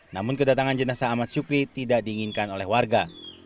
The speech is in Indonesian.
namun kedatangan jenazah ahmad syukri tidak diinginkan oleh warga